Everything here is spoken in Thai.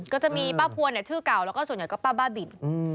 ก็จะมีป้าพวนชื่อเก่าแล้วก็ส่วนใหญ่ก็ป้าบ้าบิน